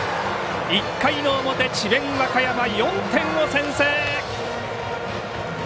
１回の表、智弁和歌山４点を先制。